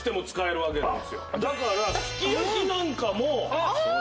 だからすき焼きなんかもいけて。